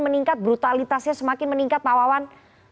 meningkat brutalitasnya semakin meningkat pak wawan